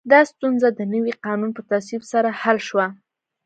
دا ستونزه د نوي قانون په تصویب سره حل شوه.